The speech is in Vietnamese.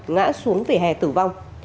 ngã xuống vỉa hè tử vong